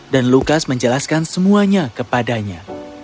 dan lukas menjelaskan semuanya kepadanya